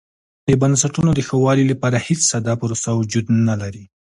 د بنسټونو د ښه والي لپاره هېڅ ساده پروسه وجود نه لري.